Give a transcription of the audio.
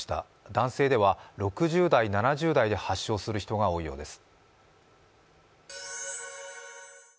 男性では６０代、７０代で発症する人が多いようです。